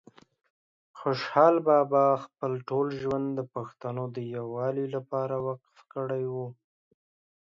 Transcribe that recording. خوشحال بابا خپل ټول ژوند د پښتنو د یووالي لپاره وقف کړی وه